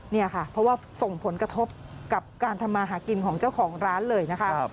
นี่ค่ะเพราะว่าส่งผลกระทบกับการทำมาหากินของเจ้าของร้านเลยนะคะ